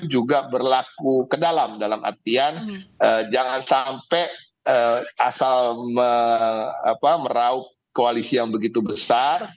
juga berlaku ke dalam dalam artian jangan sampai asal meraup koalisi yang begitu besar